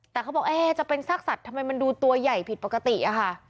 แต่เขาบอกจะเป็นซากสัตว์ทำไมมันดูตัวใหญ่ผิดปกติอะค่ะ